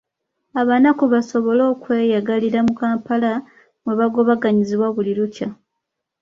Abanaku basobole okweyagalira mu Kampala mwebagobaganyizibwa buli lukya.